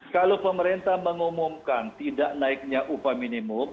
kalau pemerintah mengumumkan tidak naiknya upah minimum